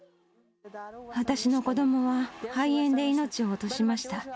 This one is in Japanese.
私の子どもは、肺炎で命を落としました。